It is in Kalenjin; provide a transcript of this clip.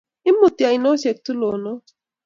Imutii oinosiek tulonok